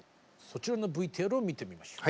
そちらのＶＴＲを見てみましょう。